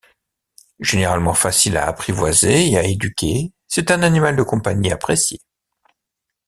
Généralement facile à apprivoiser et à éduquer, c'est un animal de compagnie apprécié.